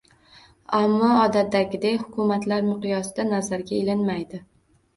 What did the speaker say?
Ammo, odatdagidek, hukumatlar miqyosida nazarga ilinmay